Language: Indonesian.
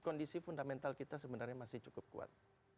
kondisi fundamental kita sebenarnya masih cukup kuat